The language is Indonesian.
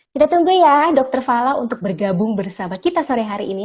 kita tunggu ya dokter fala untuk bergabung bersama kita sore hari ini